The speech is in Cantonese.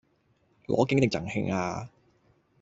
攞景定贈慶呀